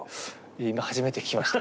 今初めて聞きました。